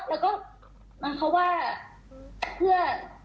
แล้วก็เขาว่าเพื่อ